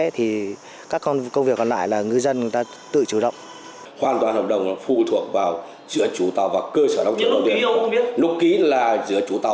thì các công việc còn lại là người dân tự chủ động